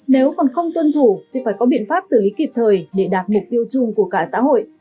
nếu còn không tuân thủ thì phải có biện pháp xử lý kịp thời để đạt mục tiêu chung của cả xã hội